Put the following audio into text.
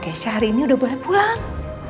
keisha sudah bisa pulang